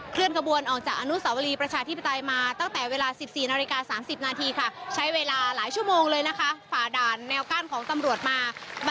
เคลื่อนขบวนออกจากอนุสาวรีประชาธิปไตยมาตั้งแต่เวลา๑๔นาฬิกา๓๐นาทีค่ะใช้เวลาหลายชั่วโมงเลยนะคะฝ่าด่านแนวกั้นของตำรวจมา